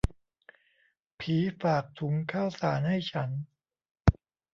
ผีฝากถุงข้าวสารให้ฉัน